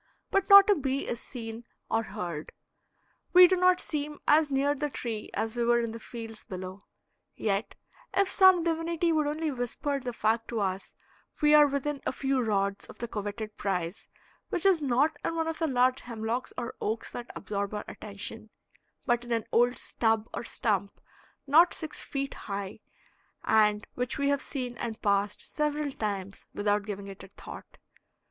But not a bee is seen or heard; we do not seem as near the tree as we were in the fields below; yet if some divinity would only whisper the fact to us we are within a few rods of the coveted prize, which is not in one of the large hemlocks or oaks that absorb our attention, but in an old stub or stump not six feet high, and which we have seen and passed several times without giving it a thought.